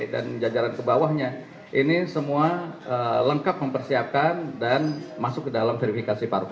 dan jajaran kebawahnya ini semua lengkap mempersiapkan dan masuk ke dalam verifikasi parpo